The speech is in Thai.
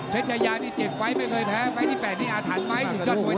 เพชยาที่๗ไฟท์ไม่เคยแพ้ไฟท์ที่๘นี่อาถันไหมสุดยอดหัวใจรัก